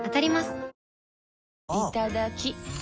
いただきっ！